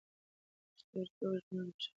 پښتورګي اوږدمهاله فشار نه زغمي.